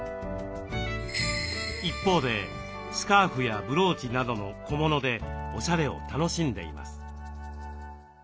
一方でスカーフやブローチなどの小物でオシャレを楽しんでいます。